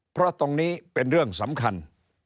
เพราะตรงนี้เป็นเรื่องสำคัญ